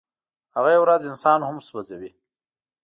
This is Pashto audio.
هغه یوه ورځ انسان هم سوځوي.